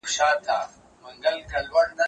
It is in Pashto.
باران به د سندرو پر دې کلي زه کوم